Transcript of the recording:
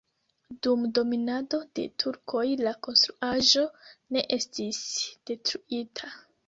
Dum dominado de turkoj la konstruaĵo ne estis detruita.